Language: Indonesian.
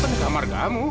bukan di kamar kamu